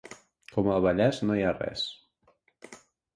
Com el Vallès no hi ha res.